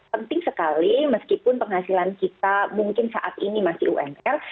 penting sekali meskipun penghasilan kita mungkin saat ini masih umr